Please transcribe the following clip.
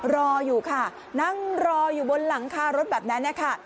รออยู่ค่ะนั่งรออยู่บนหลังคารถแบบนั้นนะคะ